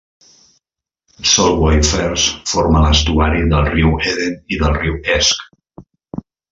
Solway Firth forma l'estuari del riu Eden i del riu Esk.